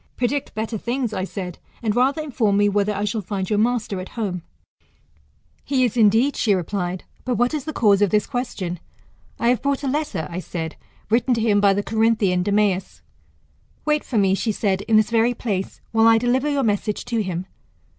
Predict better things, I said, and rather inform me, whether I shall find your master at home ? He is indeed, she replied ; but what is the cause of this question ? I have brought a letter, I said, written to him by the Corinthian Demeas. Wait for me, she said, in this very place, while I deliver your message to him.